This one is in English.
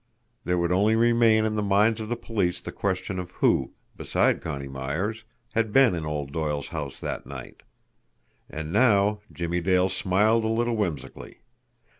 There would only remain in the minds of the police the question of who, beside Connie Myers, had been in old Doyle's house that night? And now Jimmie Dale smiled a little whimsically.